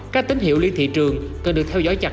các tín hiệu liên thị trường cần được theo dõi chặt